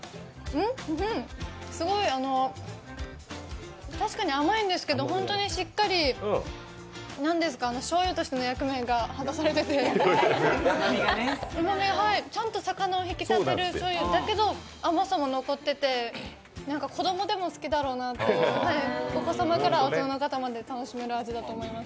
うん、すごい確かに甘いんですけど、本当にしっかり何ですか、醤油としての役目が果たされててちゃんと魚を引き立てる醤油だけど甘さも残ってて、子供でも好きだろうなってお子様から大人の方まで楽しめる味だと思います。